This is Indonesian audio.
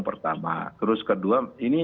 pertama terus kedua ini